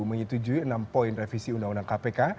menyetujui enam poin revisi undang undang kpk